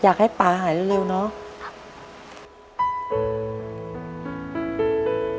อยากให้ป่าหายเร็วเนาะ